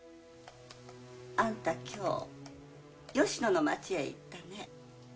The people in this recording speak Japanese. アンタ今日吉野の町へ行ったね？